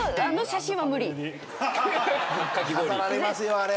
飾られますよあれ。